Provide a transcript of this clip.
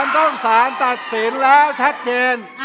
ต้องสารตัดสินแล้วชัดเจน